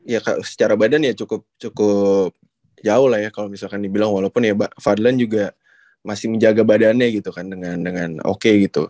ya secara badan ya cukup jauh lah ya kalau misalkan dibilang walaupun ya mbak fadlan juga masih menjaga badannya gitu kan dengan oke gitu